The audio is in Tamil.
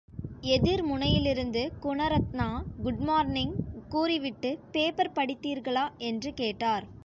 எதிர் முனையிலிருந்து குணரத்னா குட் மார்னிங் கூறிவிட்டு, பேப்பர் படித்தீர்களா? என்று கேட்டார்.